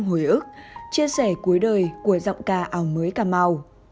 lại những hồi ước chia sẻ cuối đời của giọng ca ảo mới cà mau